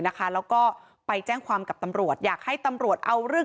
นะคะแล้วก็ไปแจ้งความกับตำรวจอยากให้ตำรวจเอาเรื่อง